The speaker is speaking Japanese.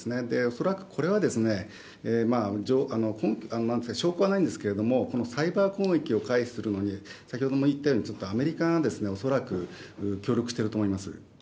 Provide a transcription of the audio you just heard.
恐らくこれは、証拠はないんですけれども、このサイバー攻撃を回避するのに先ほども言ったように、アメリカが恐らく、協力していると思います。